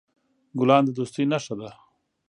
ګلان د دوستۍ نښه ده.